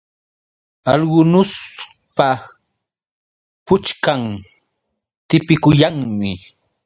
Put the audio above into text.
Algunuspa puchkan tipikuyanmi.